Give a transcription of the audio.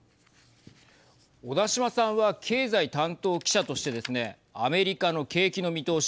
小田島さんは経済担当記者としてですねアメリカの景気の見通し